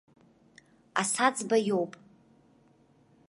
Асаӡба иоуп.